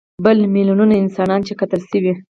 بل میلیونونه انسانان چې قتل شوي.